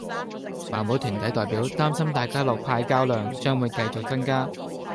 環保團體代表擔心大家樂派膠量將會繼續增加